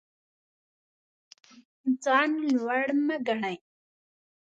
ځان لوړ مه ګڼئ.